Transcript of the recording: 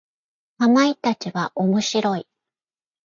かまいたちは面白い。